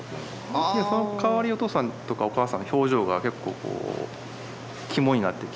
そのかわりおとうさんとかおかあさんの表情が結構こう肝になってきて。